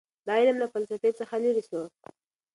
دا علم له فلسفې څخه لیرې سو.